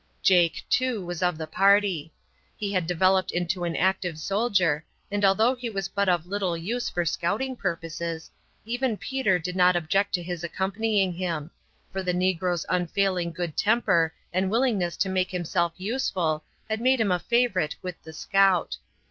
Jake, too, was of the party. He had developed into an active soldier, and although he was but of little use for scouting purposes, even Peter did not object to his accompanying him, for the negro's unfailing good temper and willingness to make himself useful had made him a favorite with the scout.